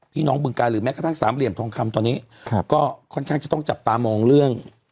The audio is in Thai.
น้องบึงการหรือแม้กระทั่งสามเหลี่ยมทองคำตอนนี้ครับก็ค่อนข้างจะต้องจับตามองเรื่อง